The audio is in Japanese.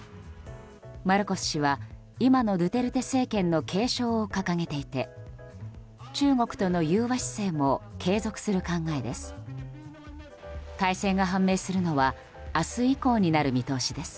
マルコス氏は今のドゥテルテ政権の継承を掲げていて中国との融和姿勢も継続する考えです。